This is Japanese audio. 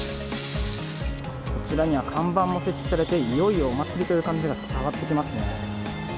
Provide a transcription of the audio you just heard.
こちらには看板も設置されて、いよいよお祭りという感じが伝わってきますね。